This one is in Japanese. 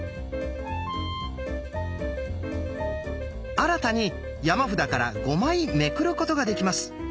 新たに山札から５枚めくることができます。